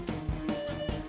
eh eh eh ah